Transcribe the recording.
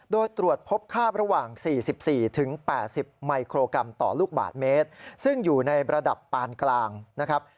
โดยตรวจพบค่าระหว่าง๔๔๘๐มิโครกรัมต่อลูกบาทเมตรซึ่งอยู่ในระดับปานกลางนะครับ